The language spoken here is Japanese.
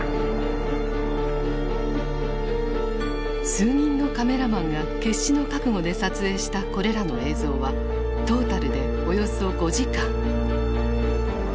数人のカメラマンが決死の覚悟で撮影したこれらの映像はトータルでおよそ５時間。